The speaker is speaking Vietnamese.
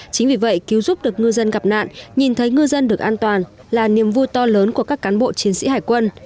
chính vì vậy cứu giúp được ngư dân gặp nạn nhìn thấy ngư dân được an toàn là niềm vui to lớn của các cán bộ chiến sĩ hải quân